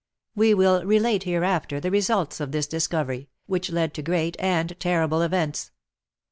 We will relate hereafter the results of this discovery, which led to great and terrible events.